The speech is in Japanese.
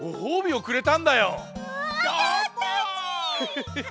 ヘヘヘヘ。